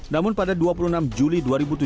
namun pada dua puluh enam juli dua ribu tujuh belas